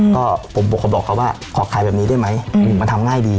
ก็ผมบอกพ่อบอกพ่อว่าขอกขายแบบนี้ได้มั้ยมันทำง่ายดี